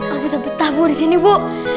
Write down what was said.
aku sampai tahu disini bu